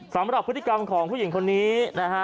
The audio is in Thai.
สำหรับพฤติกรรมของผู้หญิงคนนี้นะฮะ